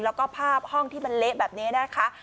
แล้วก็ภาพห้องที่มันเละแบบนี้นะคะ